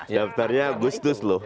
daftarnya gustus loh